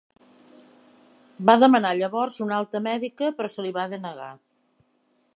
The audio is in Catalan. Va demanar llavors una alta mèdica, però se li va denegar.